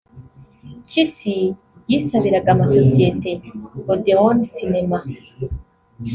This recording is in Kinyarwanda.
Mpyisi yisabiraga amasosiyete Odeon Cinemas